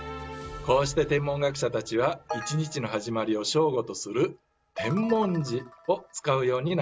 こうして天文学者たちは１日の始まりを正午とする「天文時」を使うようになったのです。